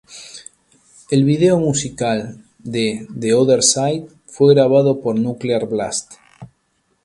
El video musical de "The Other Side" fue grabado por Nuclear Blast.